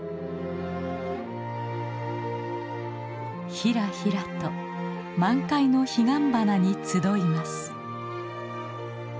ひらひらと満開のヒガンバナに集います。